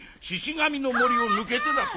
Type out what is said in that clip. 神の森を抜けてだと。